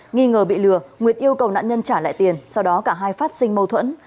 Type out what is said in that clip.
nghi ngờ bị lừa nguyệt yêu cầu nạn nhân trả lại tiền sau đó cả hai phát sinh mâu thuẫn